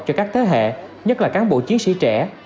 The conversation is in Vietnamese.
cho các thế hệ nhất là cán bộ chiến sĩ trẻ